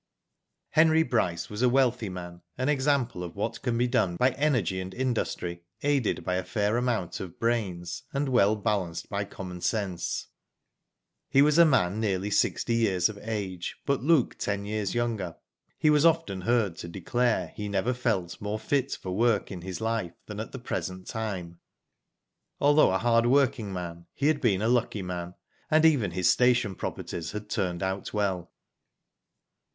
Henry Bryce was a wealthy man, an example of what can be done by energy and industry, aided by a fair amount of brains, and well balanced by common sense. He was a man nearly sixty years of age, but looked ten years younger. He was often heard to declare he never felt more fit for work in his life than at the present time. Although a hard working man he had been a lucky man, and even his station properities had turned out well.